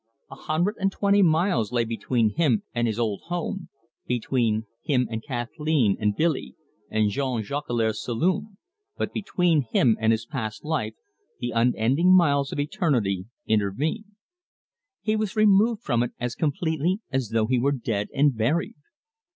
A hundred and twenty miles lay between him and his old home, between him and Kathleen and Billy and Jean Jolicoeur's saloon, but between him and his past life the unending miles of eternity intervened. He was removed from it as completely as though he were dead and buried.